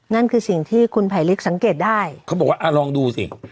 นั่นคือสิ่งที่คุณไผลลิกสังเกตได้เขาบอกว่าอ่าลองดูสิ